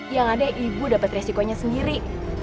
yang ada ibu dapat resikonya sendiri